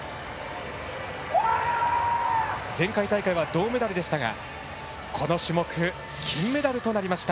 前回大会は銅メダルでしたがこの種目、金メダルとなりました。